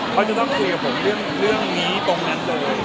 เขาจะต้องคุยกับผมเรื่องนี้ตรงนั้นเลย